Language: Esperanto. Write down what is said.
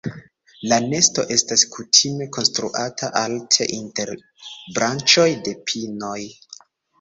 La nesto estas kutime konstruata alte inter branĉoj de pinoj.